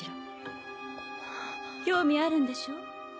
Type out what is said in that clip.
興味あるんでしょ。